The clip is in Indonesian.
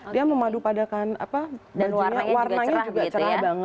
dia memadu padakan bajunya warnanya juga cerah banget